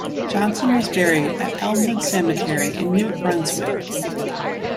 Johnson was buried at Elmwood Cemetery in New Brunswick.